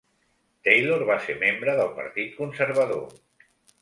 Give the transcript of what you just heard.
Taylor va ser membre del Partit Conservador.